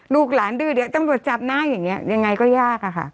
ลูกหลานดื้อเดี๋ยวตำรวจจับนะอย่างนี้ยังไงก็ยากอะค่ะ